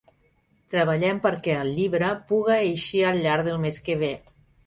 Treballem perquè el llibre puga eixir al llarg del mes que ve.